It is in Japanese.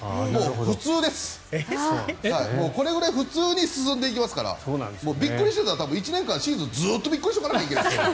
普通です、これぐらい普通に進んでいきますからびっくりしてたら１年間シーズンずっとびっくりしてなきゃいけないですよ。